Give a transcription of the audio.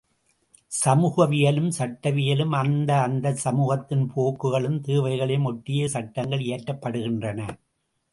சமூகவியலும் சட்டவியலும் அந்த அந்தச் சமூகத்தின் போக்குகளும் தேவைகளையும் ஒட்டியே சட்டங்கள் இயற்றப்படுகின்றன.